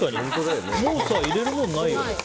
もう入れるもんないよね。